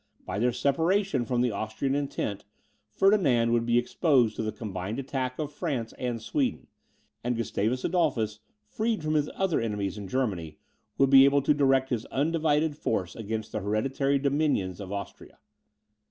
By their separation from the Austrian interest, Ferdinand would be exposed to the combined attack of France and Sweden; and Gustavus Adolphus, freed from his other enemies in Germany, would be able to direct his undivided force against the hereditary dominions of Austria.